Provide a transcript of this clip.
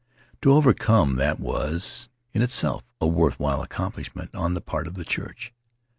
To overcome that was, in itself, a worth while accomplishment on the part of the Church.